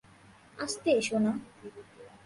আস্তে, সোনা।